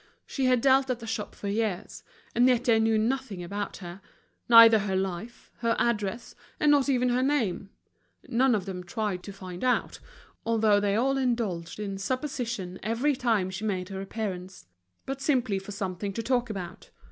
She had dealt at the shop for years, and yet they knew nothing about her—neither her life, her address, and not even her name. None of them tried to find out, although they all indulged in supposition every time she made her appearance, but simply for something to talk about.